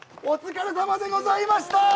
お疲れさまでございました。